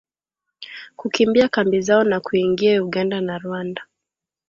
kukimbia kambi zao na kuingia Uganda na Rwanda